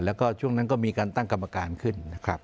แล้วก็ช่วงนั้นก็มีการตั้งกรรมการขึ้นนะครับ